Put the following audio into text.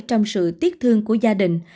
trong sự tiếc thương của gia đình